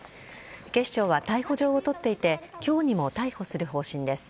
警視庁は逮捕状を取っていて今日にも逮捕する方針です。